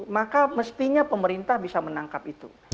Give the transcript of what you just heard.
maka mestinya pemerintah bisa menangkap itu